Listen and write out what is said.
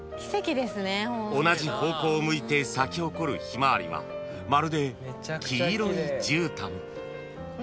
［同じ方向を向いて咲き誇るヒマワリはまるで黄色いじゅうたん］